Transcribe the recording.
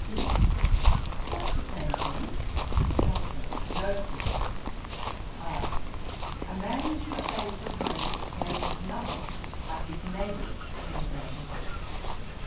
E. 'That's the same thing.' JOHNSON. 'No, Sir.' R. 'A man who stays at home, gains nothing by his neighbours emigrating.'